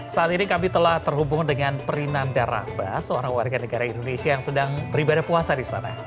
saat ini kami telah terhubung dengan prinanda rahbah seorang warga negara indonesia yang sedang beribadah puasa di sana